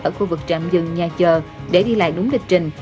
ở khu vực trạm dừng nhà chờ để đi lại đúng lịch trình